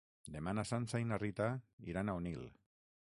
Demà na Sança i na Rita iran a Onil.